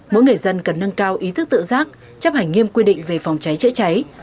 mỗi người dân cần nâng cao ý thức tự giác chấp hành nghiêm quy định về phòng cháy chữa cháy